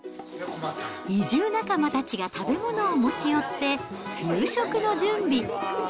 移住仲間たちが食べ物を持ち寄って、夕食の準備。